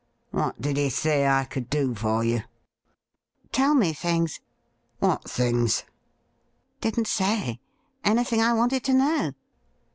' What did he say I could do for you ?'' Tell me things.' ' What things .?'' Didn't say. Anything I wanted to know.'